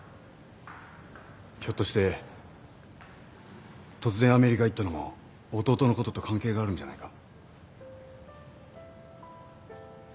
ひょっとして突然アメリカ行ったのも弟のことと関係があるんじゃないか？